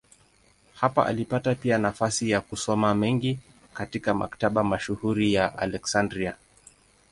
Hapa alipata pia nafasi ya kusoma mengi katika maktaba mashuhuri ya Aleksandria.